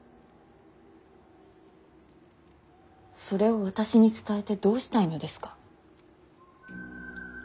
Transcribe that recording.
それを私に伝えてどうしたいのですか。